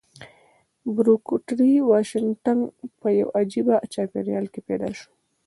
بروکر ټي واشنګټن په يوه عجيبه چاپېريال کې پيدا شو.